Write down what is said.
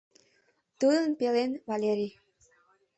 Тудын пелен — Валерий.